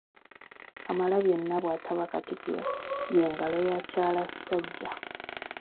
Kamalabyonna bw’ataba katikkiro ye ngalo ya kyalakisajja.